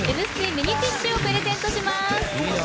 ミニティッシュをプレゼントします！